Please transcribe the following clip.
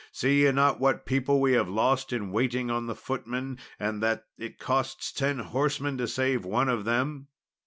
See ye not what people we have lost in waiting on the footmen, and that it costs ten horsemen to save one of them?